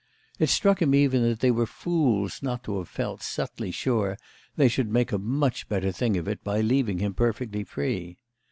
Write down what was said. It struck him even that they were fools not to have felt subtly sure they should make a much better thing of it by leaving him perfectly free.